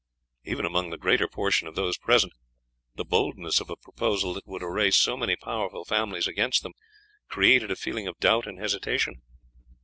Even among the greater portion of those present the boldness of a proposal that would array so many powerful families against them created a feeling of doubt and hesitation.